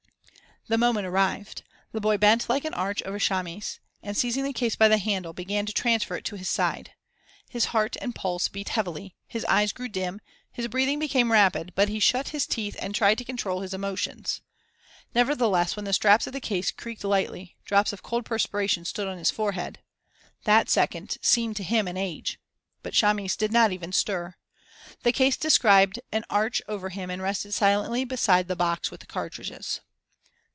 The moment arrived. The boy bent like an arch over Chamis and, seizing the case by the handle, began to transfer it to his side. His heart and pulse beat heavily, his eyes grew dim, his breathing became rapid, but he shut his teeth and tried to control his emotions. Nevertheless when the straps of the case creaked lightly, drops of cold perspiration stood on his forehead. That second seemed to him an age. But Chamis did not even stir. The case described an arch over him and rested silently beside the box with cartridges.